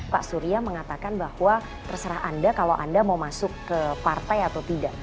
pak surya mengatakan bahwa terserah anda kalau anda mau masuk ke partai atau tidak